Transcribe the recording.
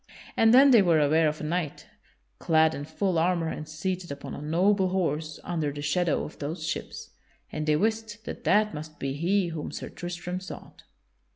And then they were aware of a knight, clad in full armor and seated upon a noble horse under the shadow of those ships, and they wist that that must be he whom Sir Tristram sought.